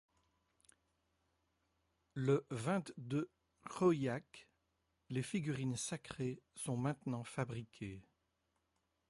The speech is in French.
Le vingt-deux Khoiak, les figurines sacrées sont maintenant fabriquées.